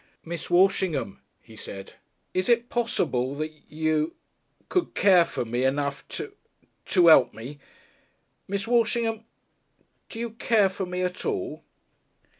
"Miss Walshingham," he said, "is it possible that you ... could care for me enough to to 'elp me? Miss Walshingham, do you care for me at all?"